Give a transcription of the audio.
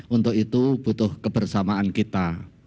untuk itu butuh kebersamaan kita